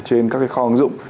trên các cái kho ứng dụng